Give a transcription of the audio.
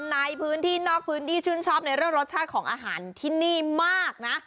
ในพื้นที่นอกพื้นที่ชื่นชอบในเรื่องรสชาติของอาหารที่นี่มากนะ